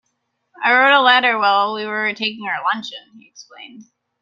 "I wrote a letter while we were taking our luncheon," he explained.